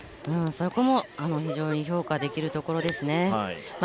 そこも非常に評価できるところですね。